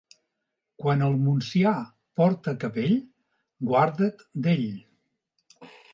Quan el Montsià porta capell, guarda't d'ell.